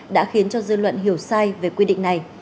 đã khiến cho dư luận hiểu sai về quy định này